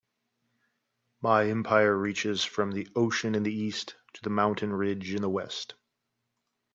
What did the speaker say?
My empire reaches from the ocean in the East to the mountain ridge in the West.